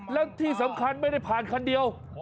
แล้วที่สำคัญไม่ได้ผ่านคันเดียว